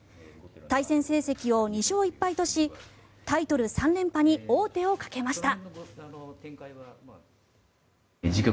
対戦成績を２勝１敗としタイトル３連覇に王手をかけました。